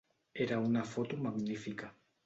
Era una foto magnífica.